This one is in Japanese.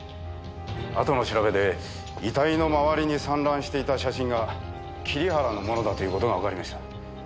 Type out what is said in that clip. あとの調べで遺体の周りに散乱していた写真が桐原のものだという事がわかりました。